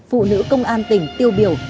phụ nữ công an tỉnh tiêu biểu